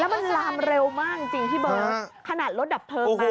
แล้วมันลามเร็วมากจริงที่เบิ้ลขนาดรถดับเพิ่มมาก